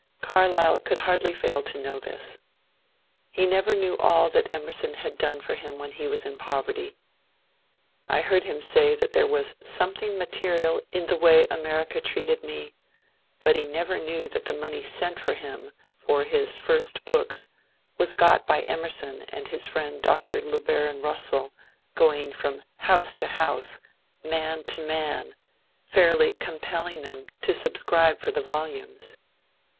Carlyle could hardly fail to know this. He never knew all that Emerson had done for him when he was in poverty. I heard him say that there was ^^ something maternal in the way America treated me," but he never knew that the money sent him for his first books was got by Emerson and his friend Dr. Le Baron Russell going from house to house, man to man, fairly compelling them CARLYLE'S LAST DAYS 116 to subscribe for tbe volumes.